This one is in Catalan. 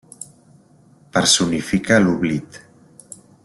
Personifica l'oblit.